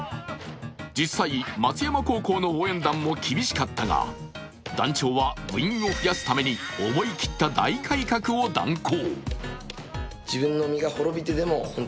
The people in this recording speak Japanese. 実際、松山高校の應援團も厳しかったが団長は、部員を増やすために思い切った大改革を断行。